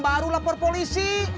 baru lapor polisi